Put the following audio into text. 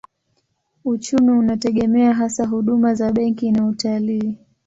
Uchumi unategemea hasa huduma za benki na utalii.